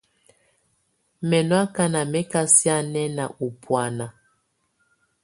Mɛ̀ nɔ̀ akana mɛ̀ ka sianɛna ɔ̀ bɔ̀ána.